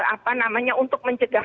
apa namanya untuk mencegah